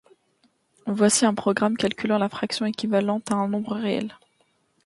Voici un programme calculant la fraction équivalente à un nombre réel.